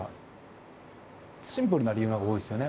シンプルな理由の方が多いですよね